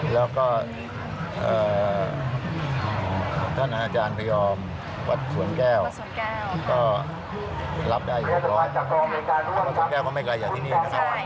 แล้วก็ท่านอาจารย์พยอมวัดสวนแก้วก็รับได้เรียบร้อยพระสวนแก้วก็ไม่ไกลจากที่นี่นะครับ